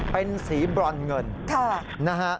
เป็นสีบรอนเงิน